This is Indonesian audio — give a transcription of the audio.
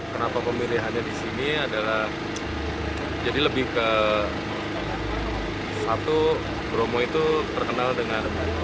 kenapa pemilihannya di sini adalah jadi lebih ke satu bromo itu terkenal dengan